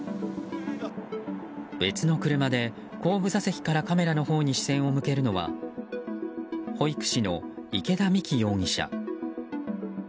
別の車で、後部座席からカメラのほうに視線を向けるのは保育士の池田美貴容疑者。